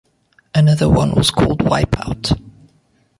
Another one was called Wipeout.